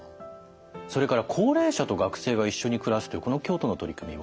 それから「高齢者と学生が一緒に暮らす」というこの京都の取り組みは？